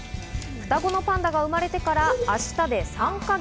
双子のパンダが生まれてから明日で３か月。